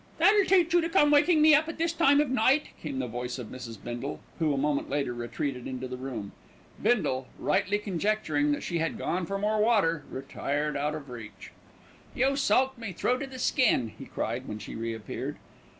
"That'll teach you to come waking me up at this time of night," came the voice of Mrs. Bindle, who, a moment later, retreated into the room. Bindle, rightly conjecturing that she had gone for more water, retired out of reach. "You soaked me through to the skin," he cried, when she re appeared.